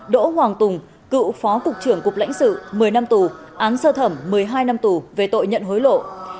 năm đỗ hoàng tùng cựu phó cục trưởng cục lãnh sự một mươi năm tù án sơ thẩm một mươi hai năm tù về tội nhận hối lộ